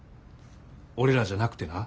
俺らじゃなくてな。